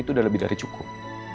itu sudah lebih dari cukup